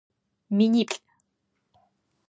Миниплӏ.